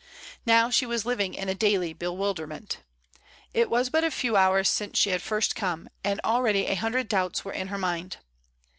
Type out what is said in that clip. Now she was living in a daily bewilderment. It was but a few hours since she had first come, and already a hundred doubts were in her mind.